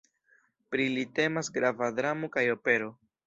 Pri li temas grava dramo kaj opero.